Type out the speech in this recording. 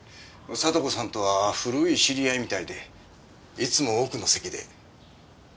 さと子さんとは古い知り合いみたいでいつも奥の席で。